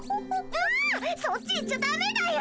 あそっち行っちゃだめだよ。